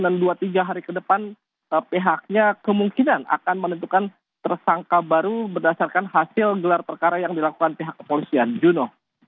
dan dua tiga hari kedepan pihaknya kemungkinan akan menentukan tersangka baru berdasarkan hasil gelar perkara yang dilakukan pihak kepolisian juno